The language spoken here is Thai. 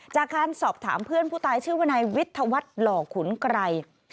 จากการสอบถามเพื่อนผู้ตายชื่อวนายวิทยาวัฒน์หล่อขุนไกร